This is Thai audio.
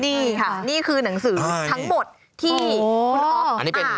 นี่ค่ะนี่คือหนังสือทั้งหมดที่คุณอ๊อฟอันนี้เป็น